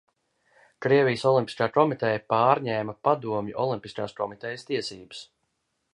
Krievijas Olimpiskā komiteja pārņēma Padomju Olimpiskās komitejas tiesības.